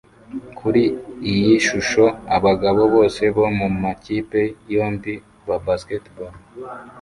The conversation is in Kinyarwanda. Kuri iyi shusho abagabo bose bo mumakipe yombi ya basketball